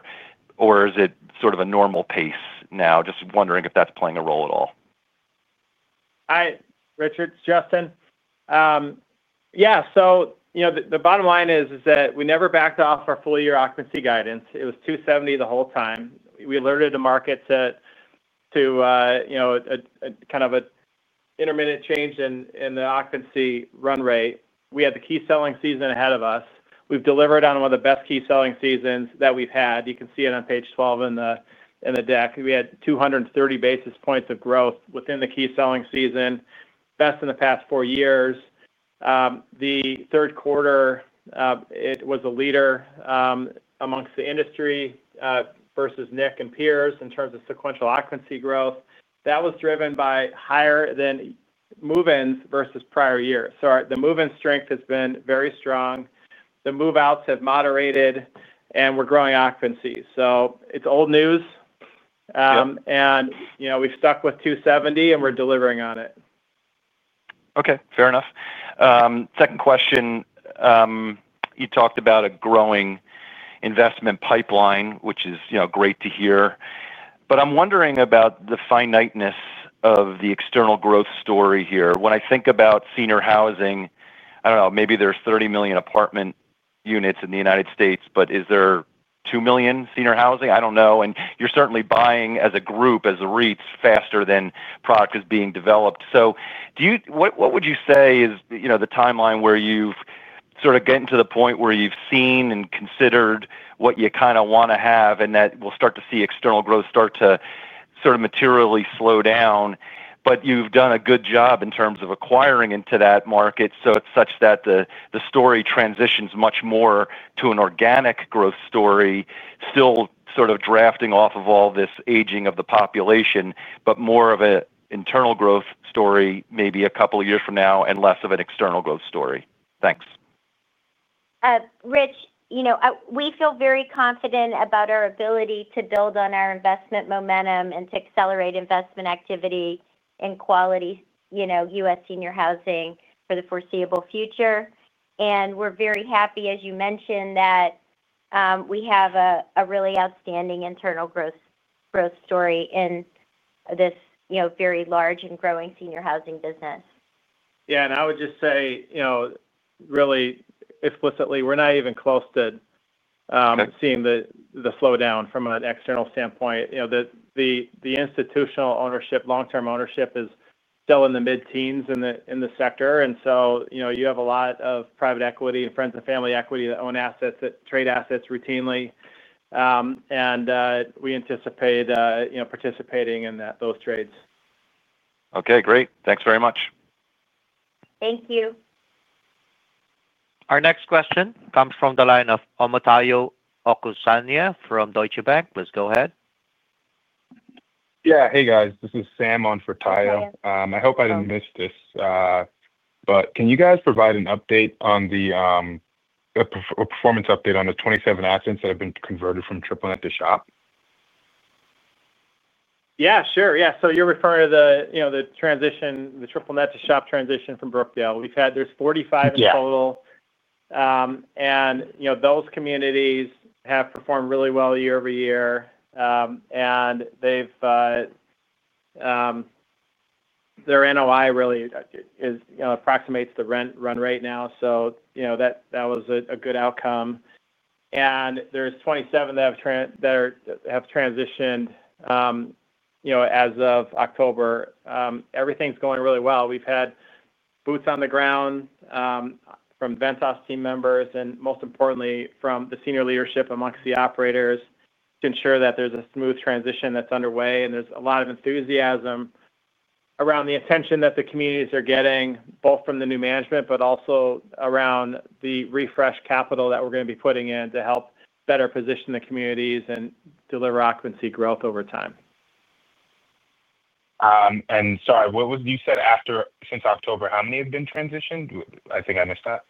or is it a normal pace now? Just wondering if that's playing a role at all. Hi, Richard, it's Justin. Yeah. The bottom line is that we never backed off our full year occupancy guidance. It was 270 the whole time. We alerted the markets to kind of an intermittent change in the occupancy run rate. We had the key selling season ahead of us. We've delivered on one of the best key selling seasons that we've had. You can see it on page 12 in the deck. We had 230 basis points of growth within the key selling season, best in the past four years. The third quarter was a leader amongst the industry versus NIC and peers in terms of sequential occupancy growth. That was driven by higher than move ins versus prior year. The move in strength has been very strong. The move outs have moderated and we're growing occupancy. It's old news and we've stuck with 270 and we're delivering on it. Okay, fair enough. Second question. You talked about a growing investment pipeline, which is, you know, great to hear, but I'm wondering about the finiteness of the external growth story here. When I think about senior housing, I don't know, maybe there's 30 million apartment units in the U.S., but is there 2 million senior housing? I don't know. You're certainly buying as a group, as REITs, faster than product is being developed. What would you say is the timeline where you've sort of gotten to the point where you've seen and considered what you kind of want to have and that we'll start to see external growth start to materially slow down, but you've done a good job in terms of acquiring into that market. It's such that the story transitions much more to an organic growth story, still sort of drafting off of all this aging of the population, but more of an internal growth story maybe a couple of years from now and less of an external growth story. Thanks, Rich. We feel very confident about our ability to build on our investment momentum and to accelerate investment activity, quality U.S. senior housing for the foreseeable future. We're very happy, as you mentioned, that we have a really outstanding internal growth story in this very large and growing senior housing business. Yeah, I would just say really explicitly, we're not even close to seeing the slowdown from an external standpoint. The institutional ownership, long term ownership is still in the mid teens in the sector. You have a lot of private equity and friends and family equity that own assets, that trade assets routinely, and we anticipate participating in those trades. Okay, great. Thanks very much. Thank you. Our next question comes from the line of Omotayo from Deutsche Bank. Let's go ahead. Yeah. Hey guys, this is Sam on for Tayo. I hope I didn't miss this. Can you guys provide an update on the performance update on the 27 assets that have been converted from triple net to SHOP? Yeah, sure, yeah. You're referring to the transition, the triple net to SHOP transition from Brookdale. We've had 45 in total, and those communities have performed really well year-over-year, and their NOI really approximates the rent run rate now. That was a good outcome. There are 27 that have transitioned as of October. Everything's going really well. We've had boots on the ground from Ventas team members and, most importantly, from the senior leadership amongst the operators to ensure that there's a smooth transition underway. There's a lot of enthusiasm around the attention that the communities are getting, both from the new management and around the refresh capital that we're going to be putting in to help better position the communities and deliver occupancy growth over time. Sorry, what was it you said after? Since October, how many have been transitioned? I think I missed that.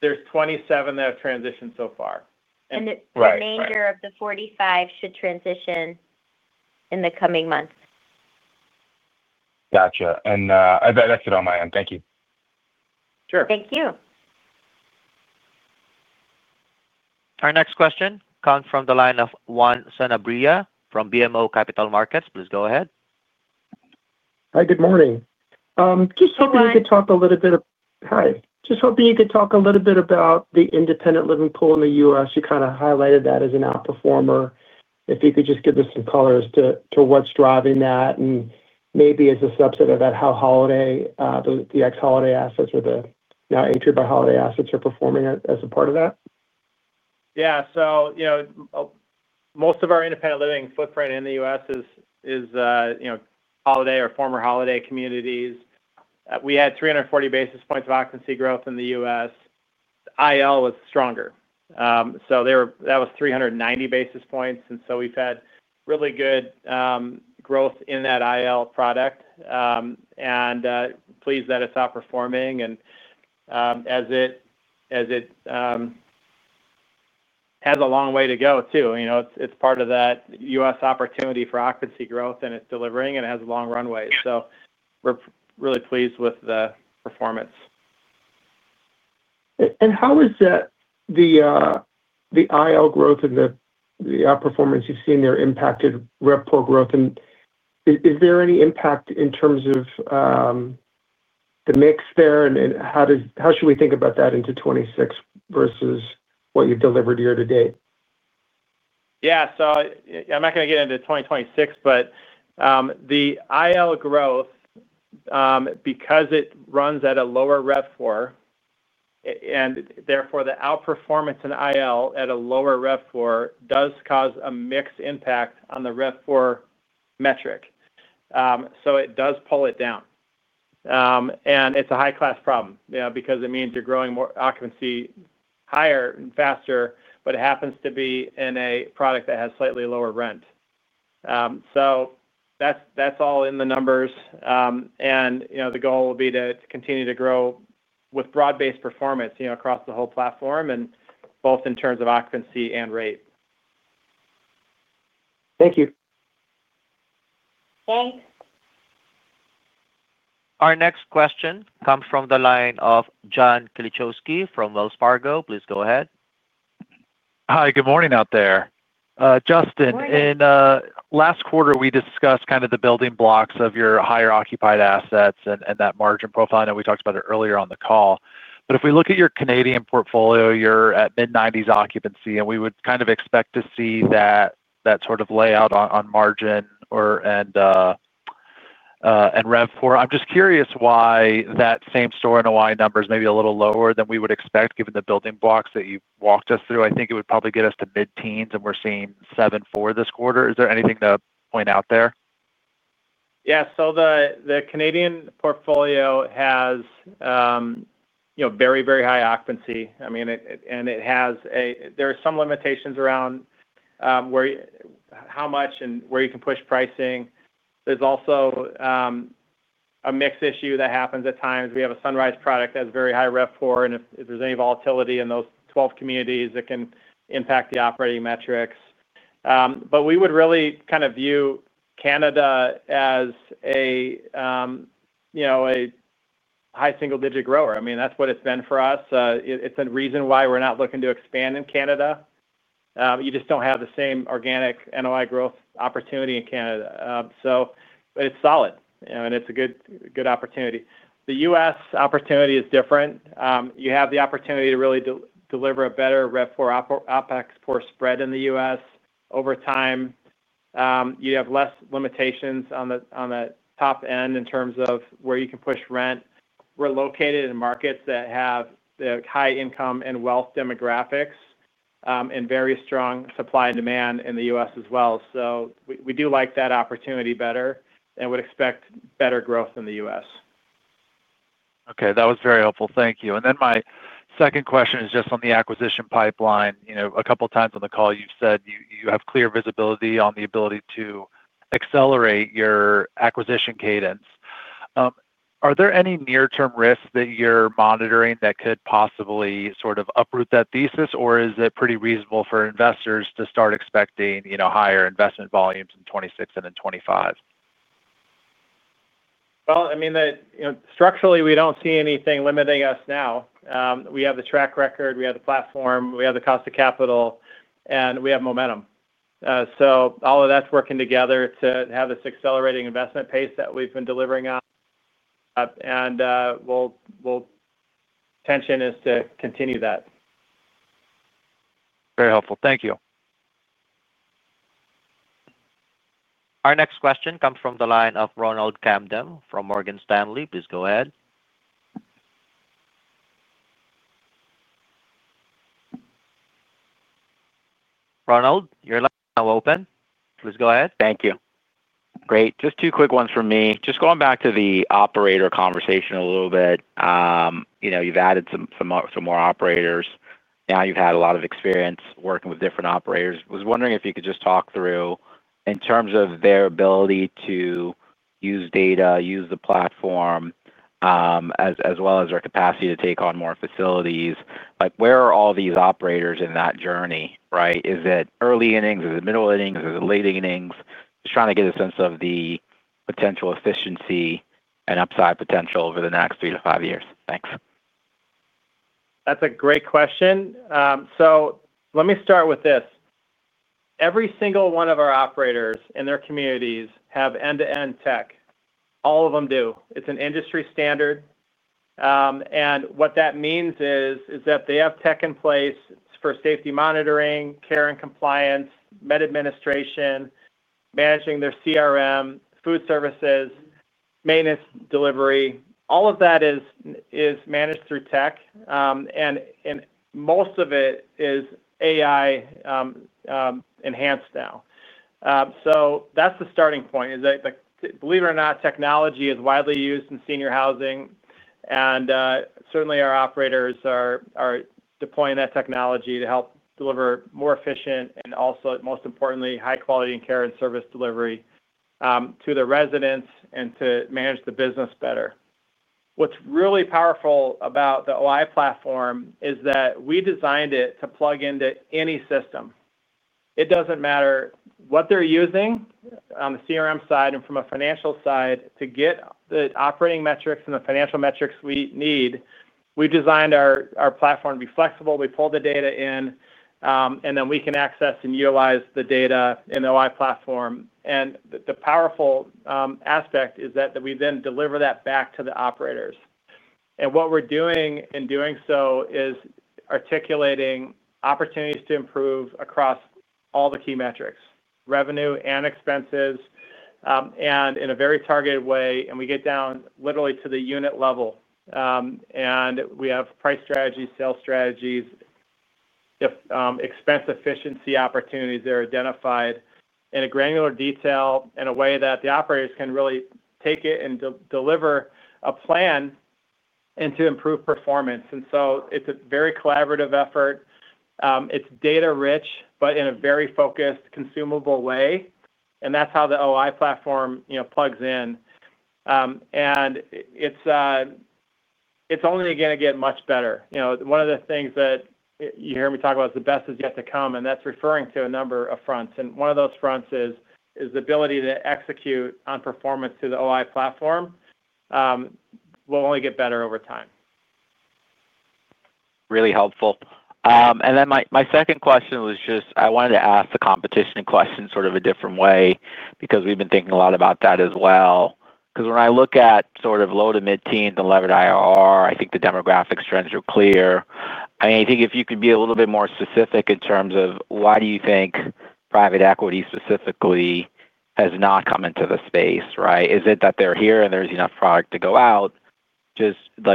There's 27 that have transitioned so far. The remainder of the 45 should transition in the coming months. Got it. That's it on my end. Thank you. Sure. Thank you. Our next question comes from the line of Juan Sanabria from BMO Capital Markets. Please go ahead. Hi, good morning. Just hoping you could talk a little bit. Hi. Just hoping you could talk a little. Bit about the independent living pool in the U.S. You kind of highlighted that as an outperformer. If you could just give us some color as to what's driving that and maybe as a subset of that, how. Holiday, the ex-Holiday assets or the. Now Atria by Holiday assets are performing. As a part of that. Yeah. You know, most of our independent living footprint in the U.S. is, you know, Holiday or former Holiday communities. We had 340 basis points of occupancy growth in the U.S. IL was stronger, so that was 390 basis points. We've had really good growth in that IL product and pleased that it's outperforming and as it has a long way to go too. It's part of that U.S. opportunity for occupancy growth and it's delivering and it has long runways. We're really pleased with the performance. How is the IL growth and the outperformance you've seen there impacted RevPAR growth? Is there any impact in terms of the mix there, and how should we think about that into 2026 versus. What you've delivered year to date? Yeah, so I'm not going to get into 2026. The IL growth, because it runs at a lower RevPAR and therefore the outperformance in IL at a lower RevPAR, does cause a mixed impact on the RevPAR metric. It does pull it down, and it's a high-class problem because it means you're growing more occupancy higher and faster. It happens to be in a product that has slightly lower rent. That's all in the numbers. The goal will be to continue to grow with broad-based performance across the whole platform, both in terms of occupancy and rate. Thank you. Thanks. Our next question comes from the line of John Kilichowski from Wells Fargo. Please go ahead. Hi, good morning out there, Justin. In last quarter we discussed kind of the building blocks of your higher occupied assets and that margin profile that we talked about earlier on the call. If we look at your Canadian portfolio, you're at mid-90s occupancy and we would kind of expect to see that, that sort of layout on margin and RevPAR. I'm just curious why that same store NOI numbers may be a little lower than we would expect given the building blocks that you walked us through. I think it would probably get us to mid-teens and we're seeing 7.4% this quarter. Is there anything to point out there? Yeah. The Canadian portfolio has very, very high occupancy, and there are some limitations around how much and where you can push pricing. There's also a mix issue that happens at times. We have a Sunrise product that's very high rev4, and if there's any volatility in those 12 communities, it can impact the operating metrics. We would really kind of view Canada as a high single-digit grower. I mean, that's what it's been for us. It's a reason why we're not looking to expand in Canada. You just don't have the same organic NOI growth opportunity in Canada. It's solid, and it's a good opportunity. The U.S. opportunity is different. You have the opportunity to really deliver a better rev4 opex poor spread in the U.S. over time. You have fewer limitations on the top end in terms of where you can push rent. We're located in markets that have the high income and wealth demographics and very strong supply and demand in the U.S. as well. We do like that opportunity better and would expect better growth in the. U.S. okay, that was very helpful, thank you. My second question is just on the acquisition pipeline. A couple times on the call you've said you have clear visibility on the ability to accelerate your acquisition cadence. Are there any near term risks that you're monitoring that could possibly sort of uproot that thesis? Is it pretty reasonable for investors to start expecting higher investment volumes in 2026 and in 2025? Structurally, we don't see anything limiting us now. We have the track record, we have the platform, we have the cost of capital, and we have momentum. All of that's working together to have this accelerating investment pace that we've been delivering on, and intention is to continue that. Very helpful, thank you. Our next question comes from the line of Ronald Kamdem from Morgan Stanley. Please go ahead. Ronald, your line is now open. Please go ahead. Thank you. Great. Just two quick ones for me. Just going back to the operator conversation a little bit. You know, you've added some more operators now, you've had a lot of experience working with different operators. Was wondering if you could just talk through in terms of their ability to use data, use the platform, as well as their capacity to take on more facilities. Like where are all these operators in that journey? Right. Is it early innings, is it middle innings, late innings? Just trying to get a sense of the potential efficiency and upside potential over the next three to five years. Thanks. That's a great question. Let me start with this. Every single one of our operators in their communities have end-to-end tech. All of them do. It's an industry standard. What that means is that they have tech in place for safety monitoring, care and compliance, med administration, managing their CRM, food services, maintenance, delivery. All of that is managed through tech and most of it is AI enhanced now. That's the starting point. Believe it or not, technology is widely used in senior housing and certainly our operators are deploying that technology to help deliver more efficient and also, most importantly, high quality care and service delivery to the residents and to manage the business better. What's really powerful about the Ventas OI platform is that we designed it to plug into any system. It doesn't matter what they're using on the CRM side and from a financial side to get the operating metrics and the financial metrics we need. We designed our platform to be flexible. We pull the data in and then we can access and utilize the data in the OI platform. The powerful aspect is that we then deliver that back to the operators. What we're doing in doing so is articulating opportunities to improve across all the key metrics, revenue and expenses, and in a very targeted way. We get down literally to the unit level and we have price strategies, sales strategies, expense efficiency opportunities that are identified in granular detail in a way that the operators can really take it and deliver a plan to improve performance. It's a very collaborative effort. It's data rich, but in a very focused, consumable way. That's how the OI platform plugs in. It's only going to get much better. One of the things that you hear me talk about is the best is yet to come. That's referring to a number of fronts. One of those fronts is the ability to execute on performance through the OI platform will only get better over time. Really helpful. Then my second question was just. I wanted to ask the competition question sort of a different way because we've been thinking a lot about that as well. When I look at low to mid teens and levered IRR, I think the demographic trends are clear. I think if you could be a little bit more specific in terms of why do you think private equity specifically has not come into the space? Is it that they're here and there's enough product to go out?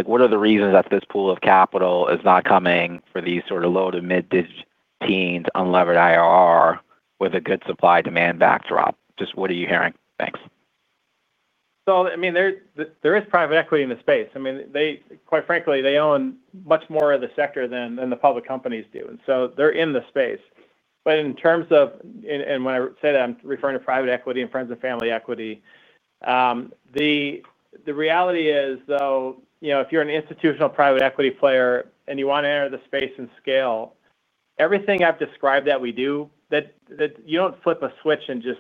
What are the reasons that this pool of capital is not coming for these low to mid teens, unlevered IRR with a good supply demand backdrop? Just what are you hearing? Thanks. There is private equity in the space. Quite frankly, they own much more of the sector than the public companies do, and they're in the space. In terms of, and when I say that, I'm referring to private equity and friends and family equity. The reality is, if you're an institutional private equity player and you want to enter the space in scale, everything I've described that we do, you don't flip a switch and just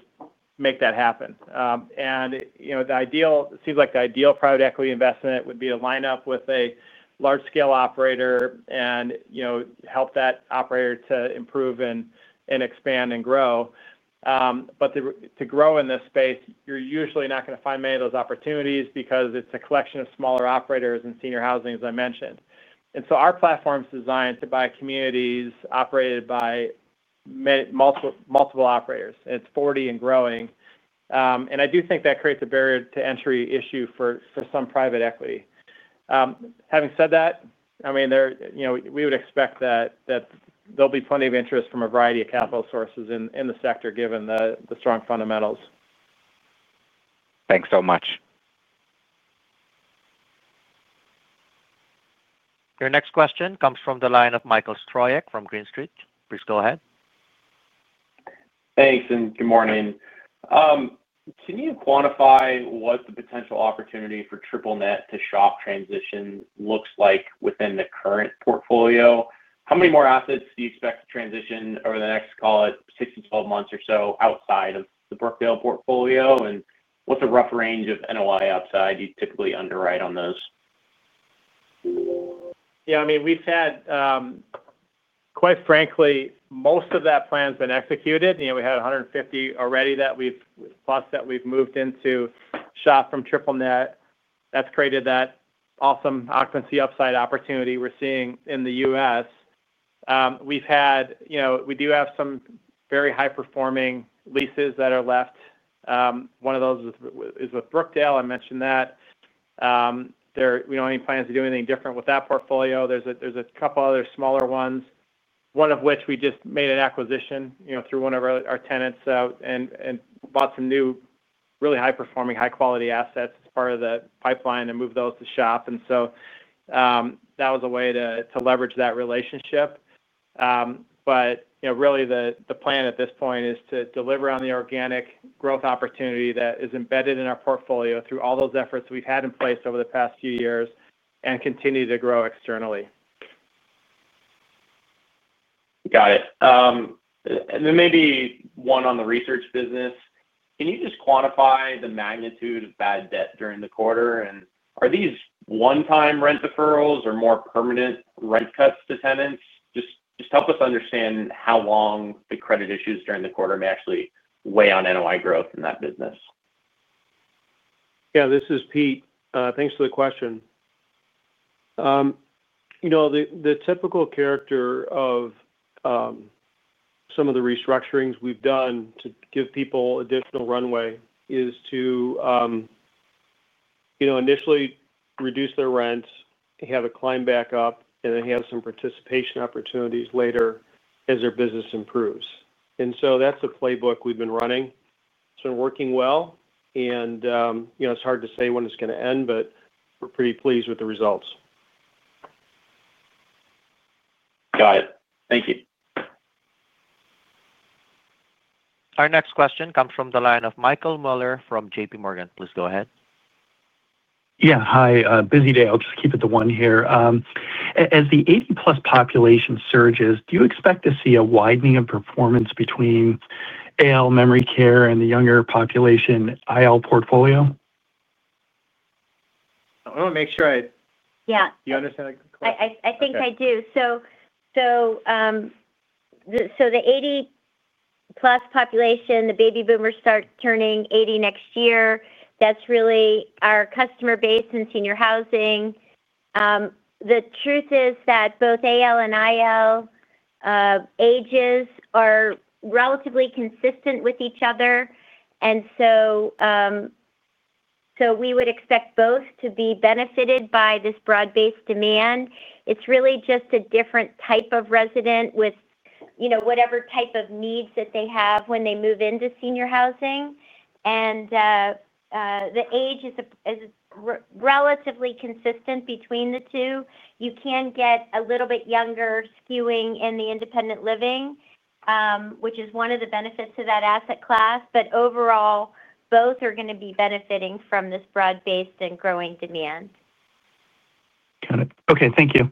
make that happen. The ideal seems like the ideal private equity investment would be to line up with a large scale operator and help that operator to improve and expand and grow. To grow in this space, you're usually not going to find many of those opportunities because it's a collection of smaller operators and senior housing, as I mentioned. Our platform is designed to buy communities operated by multiple operators. It's 40 and growing. I do think that creates a barrier to entry issue for some private equity. Having said that, we would expect that there'll be plenty of interest from a variety of capital sources in the sector, given the strong fundamentals. Thanks so much. Your next question comes from the line of Michael Stroyeck from Green Street. Please go ahead. Thanks. Good morning. Can you quantify what the potential opportunity for triple net to SHOP transition looks like within the current portfolio? How many more assets do you expect to transition over the next, call it 6 to 12 months or so, outside of the Brookdale portfolio? What's a rough range of NOI upside you typically underwrite on those? We've had, quite frankly, most of that plan executed. We had 150+ that we've moved into SHOP from triple net that's created that awesome occupancy upside opportunity we're seeing in the U.S. We do have some very high performing leases that are left. One of those is with Brookdale. I mentioned that we don't have any plans to do anything different with that portfolio. There's a couple other smaller ones, one of which we just made an acquisition through one of our tenants and bought some new, really high performing, high quality assets as part of the pipeline and moved those to SHOP. That was a way to leverage that relationship. The plan at this point is to deliver on the organic growth opportunity that is embedded in our portfolio through all those efforts we've had in place over the past few years and continue to grow externally. Got it. Maybe one on the research business. Can you just quantify the magnitude of bad debt during the quarter? Are these one-time rent deferrals or more permanent rent cuts to tenants? Help us understand how long the credit issues during the quarter may actually weigh on NOI growth in that business. This is Pete. Thanks for the question. The typical character of some of the restructurings we've done to give people additional runway is to. You know. Initially reduce their rents, have a climb back up, and then have some participation opportunities later as their business improves. That's a playbook we've been running. It's been working well, and you know, it's hard to say when it's going to end, but we're pretty pleased with the results. Got it. Thank you. Our next question comes from the line of Michael Mueller from J.P. Morgan. Please go ahead. Yeah, hi. Busy day? I'll just keep it to one here. As the 80+ population surges, do. You expect to see a widening of. Performance between AL memory care and the younger population IL portfolio? I want to make sure you understand. I think I do. The 80+ population, the baby boomers start turning 80 next year. That's really our customer base in senior housing. The truth is that both AL and IL ages are relatively consistent with each other, and we would expect both to be benefited by this broad-based demand. It's really just a different type of resident with whatever type of needs that they have when they move into senior housing, and the age is relatively consistent between the two. You can get a little bit younger skewing in the independent living, which is one of the benefits of that asset class. Overall, both are going to be benefiting from this broad-based and growing demand. Got it. Okay. Thank you.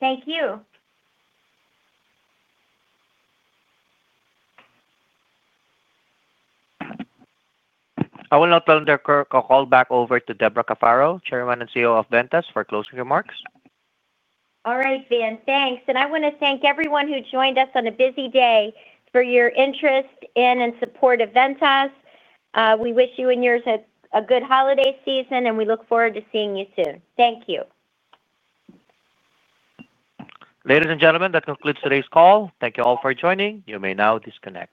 Thank you. I will now turn the call back over to Debra A. Cafaro, Chairman and CEO of Ventas, for closing remarks. All right, Van. Thanks. I want to thank everyone who joined us on a busy day for your interest in and support of Ventas. We wish you and yours a good holiday season, and we look forward to seeing you soon. Thank you. Ladies and gentlemen, that concludes today's call. Thank you all for joining. You may now disconnect.